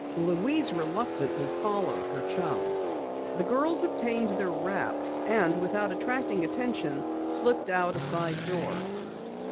Louise reluctantly followed her chum. The girls obtained their wraps and without attracting attention, slipped out a side door.